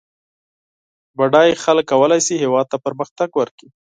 بډای خلک کولای سي هېواد ته پرمختګ ورکړي